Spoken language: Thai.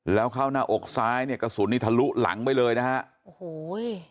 แล้วเข้าหน้าอกซ้ายเนี่ยกระสุนนี้ทะลุหลังไปเลยนะฮะโอ้โห